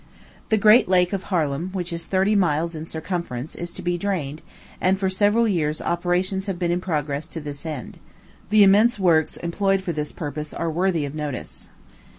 The great Lake of Harlem, which is thirty miles in circumference, is to be drained; and for several years operations have been in progress to this end. The immense works employed for this purpose are worthy of notice.